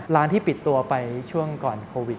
ที่ปิดตัวไปช่วงก่อนโควิด